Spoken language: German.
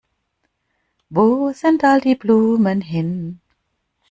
Wo sind all die Blumen hin?